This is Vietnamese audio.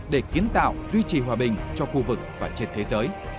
để kiến tạo duy trì hòa bình cho khu vực và trên thế giới